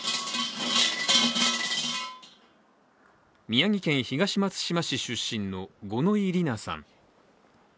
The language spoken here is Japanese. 宮城県東松島市出身の五ノ井里奈さん。